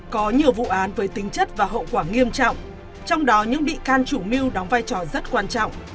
có nhiều vụ án với tính chất và hậu quả nghiêm trọng trong đó những bị can chủ mưu đóng vai trò rất quan trọng